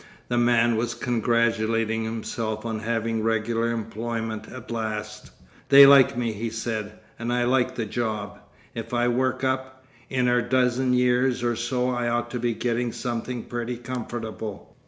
The man was congratulating himself on having regular employment at last; 'they like me,' he said, 'and I like the job. If I work up—in'r dozen years or so I ought to be gettin' somethin' pretty comfortable.